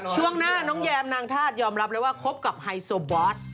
ช่วงหน้าน้องแยมนางธาตุยอมรับเลยว่าคบกับไฮโซบอส